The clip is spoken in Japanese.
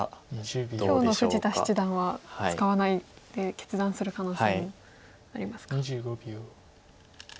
今日の富士田七段は使わないっていう決断する可能性もありますか。